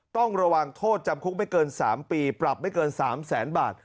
ต้องระวังโทษจำคุกไม่เกิน๓ปีปรับไม่เกิน๓แสนบาท